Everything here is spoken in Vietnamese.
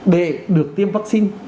để được tiêm vaccine